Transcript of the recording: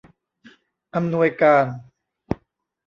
อำนวยการ